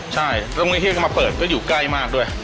ใช่ตรงนี้ที่จะมาเปิดก็อยู่ใกล้มากด้วย